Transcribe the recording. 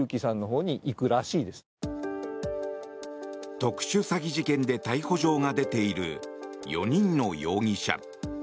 特殊詐欺事件で逮捕状が出ている４人の容疑者。